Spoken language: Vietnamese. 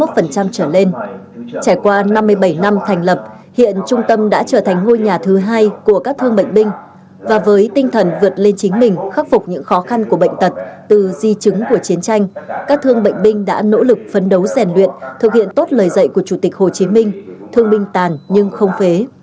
trải qua năm mươi bảy năm thành lập hiện trung tâm đã trở thành ngôi nhà thứ hai của các thương bệnh binh và với tinh thần vượt lên chính mình khắc phục những khó khăn của bệnh tật từ di chứng của chiến tranh các thương bệnh binh đã nỗ lực phấn đấu rèn luyện thực hiện tốt lời dạy của chủ tịch hồ chí minh thương binh tàn nhưng không phế